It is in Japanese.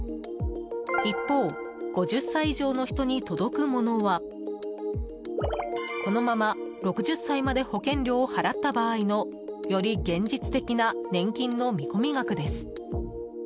一方、５０歳以上の人に届くものはこのまま６０歳まで保険料を払った場合のより現実的な年金の見込み額です。